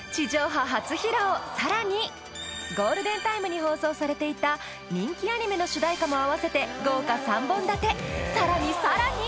あのさらにゴールデンタイムに放送されていた人気アニメの主題歌も合わせて豪華３本立てさらにさらに！